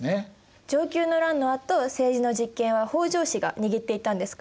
承久の乱のあと政治の実権は北条氏が握っていったんですか？